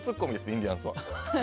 インディアンスは。